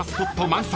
満載